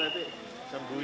ketika keadaan berubah